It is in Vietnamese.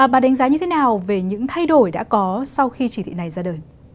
bà đánh giá như thế nào về những thay đổi đã có sau khi chỉ thị này ra đời